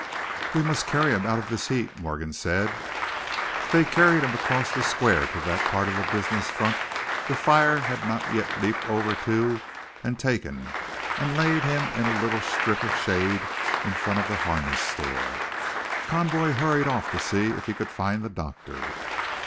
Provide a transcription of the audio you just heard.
"We must carry him out of this heat," Morgan said. They carried him across the square to that part of the business front the fire had not yet leaped over to and taken, and laid him in a little strip of shade in front of the harness store. Conboy hurried off to see if he could find the doctor.